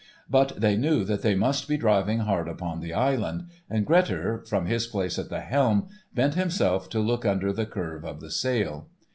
But they knew that they must be driving hard upon the island, and Grettir, from his place at the helm, bent himself to look under the curve of the sail.